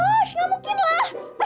oh my gosh gak mungkin lah